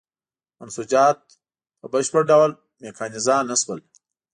منسوجات په بشپړ ډول میکانیزه نه شول.